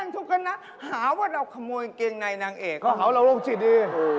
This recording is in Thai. ผู้ห่าว่าเราลงจิตดี